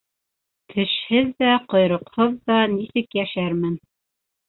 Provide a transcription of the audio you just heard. Тешһеҙ ҙә, ҡойроҡһоҙ ҙа нисек йәшәрмен!